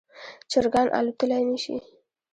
چرګان الوتلی نشي